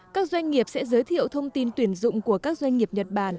các doanh nghiệp sẽ giới thiệu thông tin tuyển dụng của các doanh nghiệp nhật bản